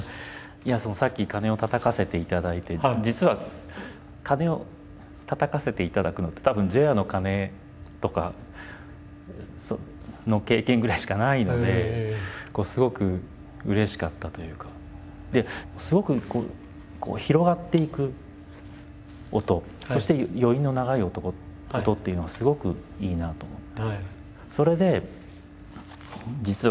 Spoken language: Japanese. さっき鐘をたたかせていただいて実は鐘をたたかせていただくのってたぶん除夜の鐘とかの経験ぐらいしかないのですごくうれしかったというか。ですごく広がっていく音そして余韻の長い音っていうのがすごくいいなと思って。